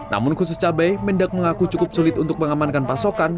namun khusus cabai mendak mengaku cukup sulit untuk mengamankan pasokan